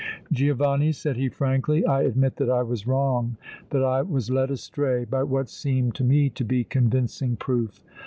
"Giovanni," said he, frankly, "I admit that I was wrong, that I was led astray by what seemed to me to be convincing proof.